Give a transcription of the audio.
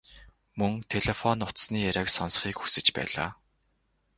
Мөн телефон утасны яриаг сонсохыг хүсэж байлаа.